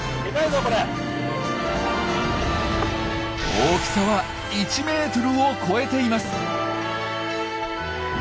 大きさは１ｍを超えています！